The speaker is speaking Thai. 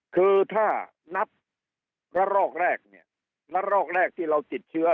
คือถ้านับระลอกแรกเนี่ยระลอกแรกที่เราติดเชื้อ